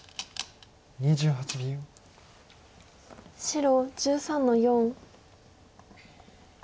白１３の四。